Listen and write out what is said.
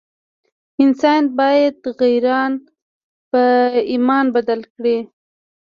انسان باید غیران په ایمان بدل کړي.